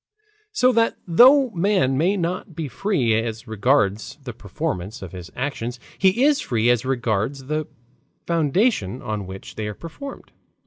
So that though man may not be free as regards the performance of his actions, he is free as regards the foundation on which they are performed.